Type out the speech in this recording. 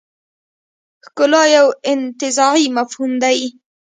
ښکلا یو انتزاعي مفهوم دی.